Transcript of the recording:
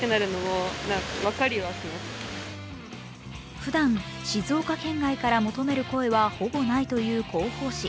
ふだん、静岡県外から求める声はほぼないという広報誌。